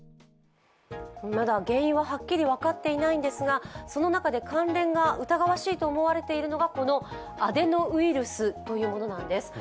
まだ原因ははっきり分かっていないんですが、その中で関連が疑わしいと思われているのがこのアデノウイルスというものなんです。